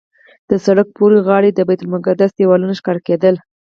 د سړک پورې غاړې د بیت المقدس دیوالونه ښکاره کېدل.